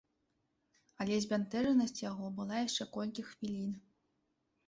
Але збянтэжанасць яго была яшчэ колькі хвілін.